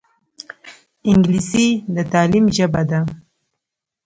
انګلیسي د تعلیم ژبه ده